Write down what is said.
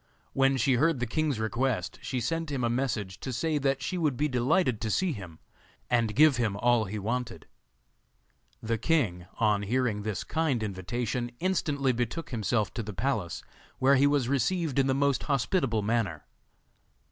When she heard the king's request she sent him a message to say that she would be delighted to see him, and give him all he wanted. The king, on hearing this kind invitation, instantly betook himself to the palace, where he was received in the most hospitable manner.